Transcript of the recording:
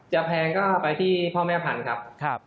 แพงก็ไปที่พ่อแม่พันธุ์ครับ